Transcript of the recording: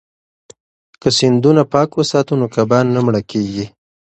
که سیندونه پاک وساتو نو کبان نه مړه کیږي.